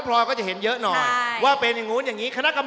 เสร็จเรียบร้อยนะครับ